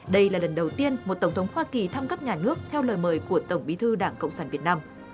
đây là lần đầu tiên một tổng thống hoa kỳ thăm cấp nhà nước theo lời mời của tổng bí thư đảng cộng sản việt nam